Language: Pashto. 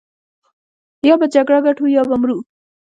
يا به جګړه ګټو يا به مرو.